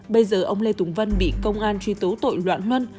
bây giờ ông lê tùng vân bị công an truy tố tội loạn mân